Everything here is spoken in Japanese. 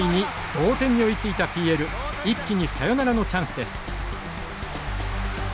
同点に追いついたＰＬ一気にサヨナラのチャンスです。